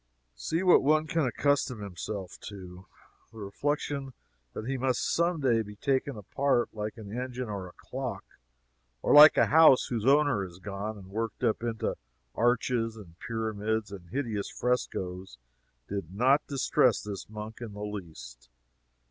See what one can accustom himself to. The reflection that he must some day be taken apart like an engine or a clock, or like a house whose owner is gone, and worked up into arches and pyramids and hideous frescoes, did not distress this monk in the least.